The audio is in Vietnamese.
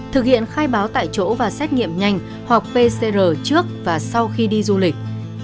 thực hiện khai báo tại chỗ và xét nghiệm nhanh hoặc pcr trước và sau khi đi du lịch